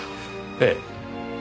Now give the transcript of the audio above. ええ。